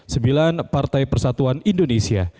sembilan partai persatuan indonesia